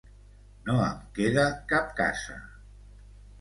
No em queda cap casa.